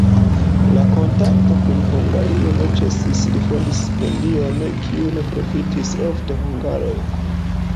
La kontakto kun Hungario ne ĉesis, li fondis stipendion, kiun profitis ofte hungaroj.